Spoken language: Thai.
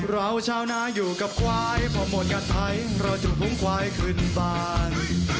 ราวเช้าน้าอยู่กับควายพอหมดงานไทยเราถึงหุ้งควายขึ้นบ้าน